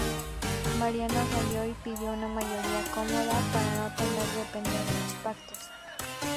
Mariano Rajoy pidió una mayoría cómoda, para no tener que depender de pactos.